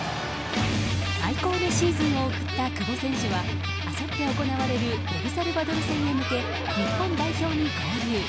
最高のシーズンを送った久保選手はあさって行われるエルサルバドル戦へ向け日本代表に合流。